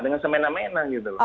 dengan semena mena gitu loh